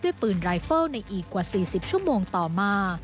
ปืนรายเฟิลในอีกกว่า๔๐ชั่วโมงต่อมา